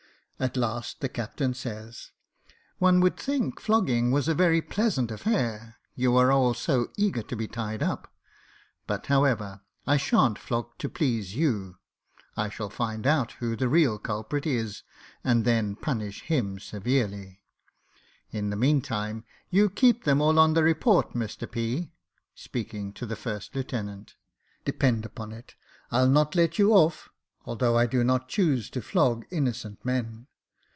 At last the captain says, * One would think flogging was a very pleasant aflair ; you are all so eager to be tied up ; but, however, I sha'n't flog to please you. I shall find out who the real culprit is, and then punish him severely. In the mean time, you keep them all on the report, Mr P ,' speaking to the first lieutenant. * Depend upon it, I'll not let you off", although I do not choose to flog innocent men.'